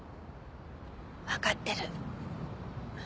わかってる。